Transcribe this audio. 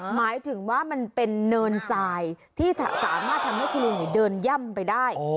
หมายถึงว่ามันเป็นเนินทรายที่สามารถทำให้คุณลุงเดินย่ำไปได้